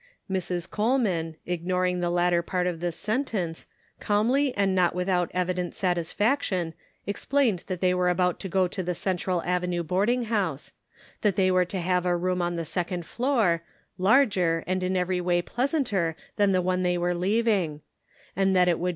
Mrs. Coleman, ignoring the latter part of this sentence, calmly and not without evident satisfaction, explained that they were about to go to the Central Avenue boarding house ; that they were to have a room on the second floor, larger, and in every way pleasanter than the one they were leaving ; and that it would Shirking Responsibility.